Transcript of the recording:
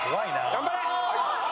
頑張れ！